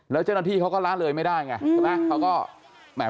แล้วเจ้าหน้าที่เขาก็ล้านเลยไม่ได้ไงเขาก็